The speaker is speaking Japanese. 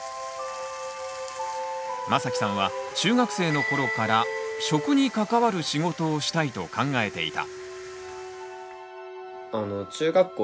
まさきさんは中学生の頃から「食」に関わる仕事をしたいと考えていた。